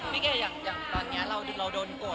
พี่เกดอย่างตอนนี้เราโดนโกรธ